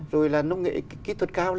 rồi là nông nghệ kỹ thuật cao